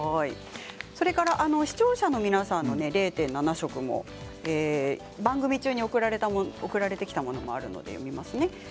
それから視聴者の皆さんの０．７食も番組中に送られたものがあります。